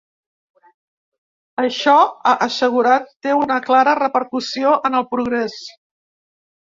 Això, ha assegurat, té una clara repercussió en el progrés.